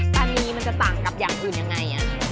ตานีมันจะต่างกับอย่างอื่นยังไง